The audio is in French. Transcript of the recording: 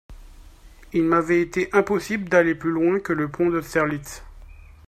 Il m'avait ete impossible d'aller plus loin que le pont d'Austerlitz.